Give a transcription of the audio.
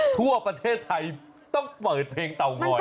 ทั่วประเทศไทยต้องเปิดเพลงเตางอย